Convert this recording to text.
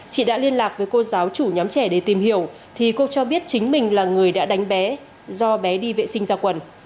chị đã liên lạc với cô giáo chủ nhóm trẻ để tìm hiểu thì cô cho biết chính mình là người đã đánh bé do bé đi vệ sinh ra quần